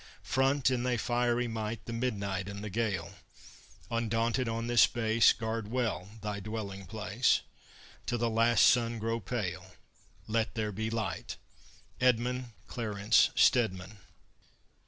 Front, in thy fiery might, The midnight and the gale; Undaunted on this base Guard well thy dwelling place: Till the last sun grow pale Let there be Light! EDMUND CLARENCE STEDMAN.